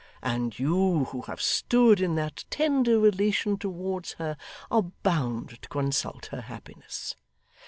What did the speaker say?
And you, who have stood in that tender relation towards her, are bound to consult her happiness.